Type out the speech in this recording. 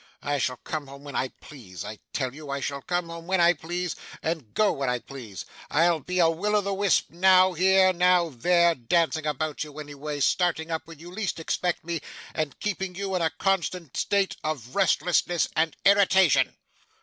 I shall come home when I please, I tell you. I shall come home when I please, and go when I please. I'll be a Will o' the Wisp, now here, now there, dancing about you always, starting up when you least expect me, and keeping you in a constant state of restlessness and irritation.